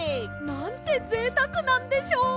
「なんてぜいたくなんでしょう」。